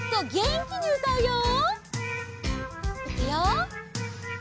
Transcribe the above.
いくよ。